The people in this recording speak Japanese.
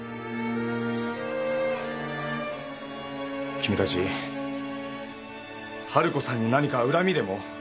君たちハル子さんに何か恨みでも？